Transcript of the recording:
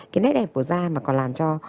cái nét đẹp của da mà còn làm cho